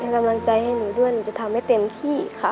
กำลังใจให้หนูด้วยหนูจะทำให้เต็มที่ค่ะ